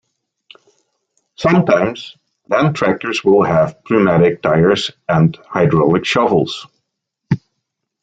Sometimes, land tractors will have pneumatic tires and hydraulic shovels.